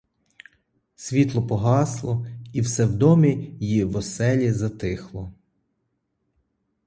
Світло погасло, і все в домі й в оселі затихло.